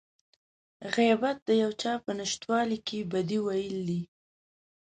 غيبت د يو چا په نشتوالي کې بدي ويل دي.